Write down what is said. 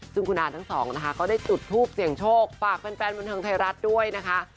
ซึ่งคุณอาทั้งสองนะคะก็ได้จุดทูปเสียงโชคฝากแฟนบันเทิงไทยรัฐด้วยนะคะ